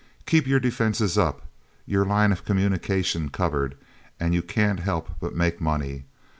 Keep your defenses up, your line of communication covered, and you can't help but make money.